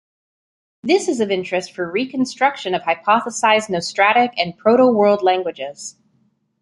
This is of interest for reconstruction of hypothesized nostratic and proto-world languages.